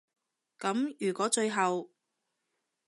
噉如果最後